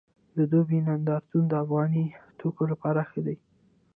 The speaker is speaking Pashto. د دوبۍ نندارتون د افغاني توکو لپاره ښه دی